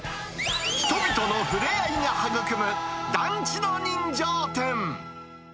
人々のふれあいが育む団地の人情店。